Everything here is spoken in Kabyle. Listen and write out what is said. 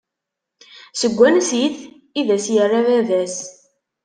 Seg wansi-t? I d as-yerra baba-s.